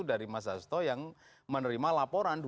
dari mas hasto yang menerima laporan